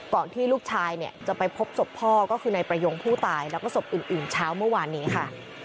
ที่ลูกชายเนี่ยจะไปพบศพพ่อก็คือนายประยงผู้ตายแล้วก็ศพอื่นเช้าเมื่อวานนี้ค่ะ